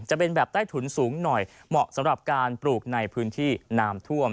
จะเป็นแบบใต้ถุนสูงหน่อยเหมาะสำหรับการปลูกในพื้นที่น้ำท่วม